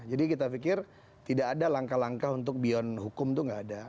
jadi kita pikir tidak ada langkah langkah untuk beyond hukum itu nggak ada